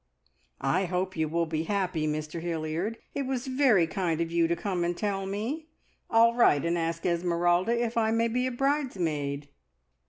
I hope you will be happy, Mr Hilliard. It was very kind of you to come and tell me. I'll write and ask Esmeralda if I may be a bridesmaid."